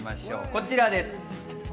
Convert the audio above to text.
こちらです。